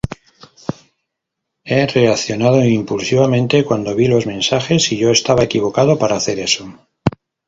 He reaccionado impulsivamente cuando vi los mensajes y yo estaba equivocado para hacer eso.